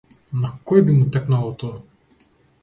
На кој би му текнало тоа?